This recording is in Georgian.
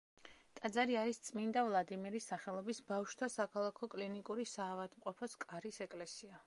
ტაძარი არის წმინდა ვლადიმირის სახელობის ბავშვთა საქალაქო კლინიკური საავადმყოფოს კარის ეკლესია.